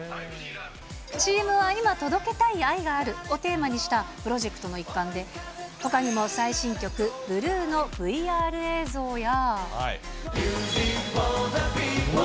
ＣＭは、今、届けたい愛があるをテーマにしたプロジェクトの一環で、ほかにも最新曲、ブルーのＶＲ映像や。